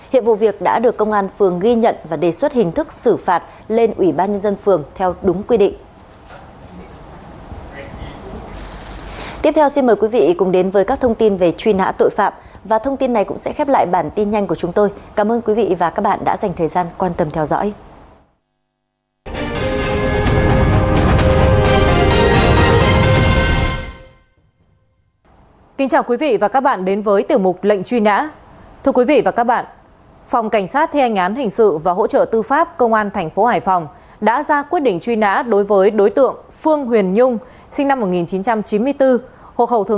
hiệp vụ việc đã được công an phường ghi nhận và đề xuất hình thức xử phạt lên ủy ban nhân dân phường theo đúng quy định